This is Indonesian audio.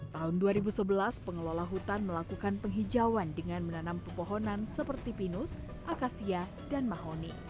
tahun dua ribu sebelas pengelola hutan melakukan penghijauan dengan menanam pepohonan seperti pinus akasia dan mahoni